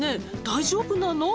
大丈夫なの？